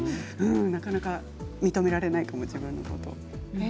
なかなか認められないかも自分のこと。